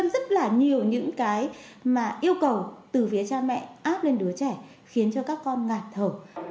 rất là nhiều những cái mà yêu cầu từ phía cha mẹ áp lên đứa trẻ khiến cho các con ngạt thở